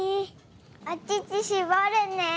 おちちしぼるね。